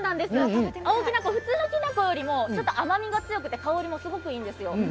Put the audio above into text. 青きな粉、普通のきな粉よりもちょっと甘みが強くて香りもすごくいいんですよ。